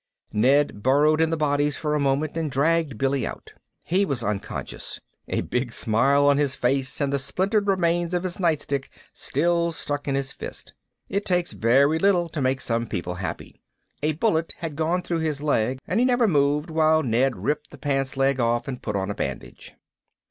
Ned burrowed in the bodies for a moment and dragged Billy out. He was unconscious. A big smile on his face and the splintered remains of his nightstick still stuck in his fist. It takes very little to make some people happy. A bullet had gone through his leg and he never moved while Ned ripped the pants leg off and put on a bandage.